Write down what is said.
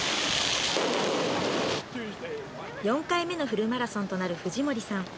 ４回目のフルマラソンとなる藤森さん